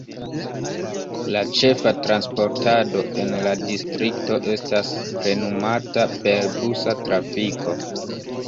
La ĉefa transportado en la distrikto estas plenumata per busa trafiko.